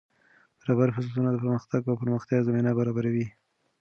برابر فرصتونه د پرمختګ او پراختیا زمینه برابروي.